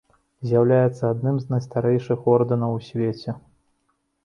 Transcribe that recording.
З'яўляецца адным з найстарэйшых ордэнаў у свеце.